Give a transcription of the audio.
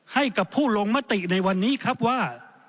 ให้กับผู้ลงมติในวันนี้ครับว่า